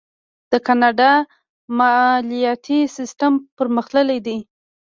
د کاناډا مالیاتي سیستم پرمختللی دی.